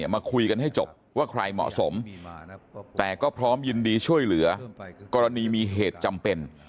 มาคุยกันให้จบว่าใครเหมาะสมแต่ก็พร้อมยินดีช่วยเหลือกรณีมีเหตุจำเป็น